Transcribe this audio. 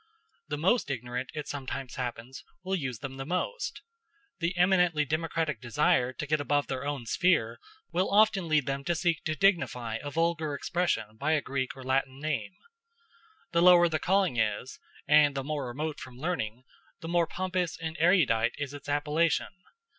The most ignorant, it sometimes happens, will use them most. The eminently democratic desire to get above their own sphere will often lead them to seek to dignify a vulgar profession by a Greek or Latin name. The lower the calling is, and the more remote from learning, the more pompous and erudite is its appellation.